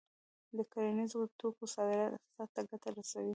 د کرنیزو توکو صادرات اقتصاد ته ګټه رسوي.